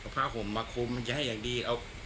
ผ้าห่มมาคุมมันจะให้อย่างดีเอา